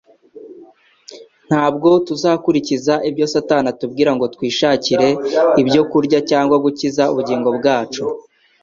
ntabwo tuzakurikiza ibyo Satani atubwira ngo twishakire ibyo kurya cyangwa gukiza ubugingo bwacu.